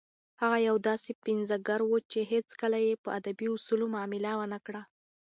هغه یو داسې پنځګر و چې هیڅکله یې په ادبي اصولو معامله ونه کړه.